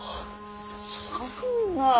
そんなあ！